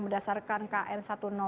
berdasarkan kn satu ratus delapan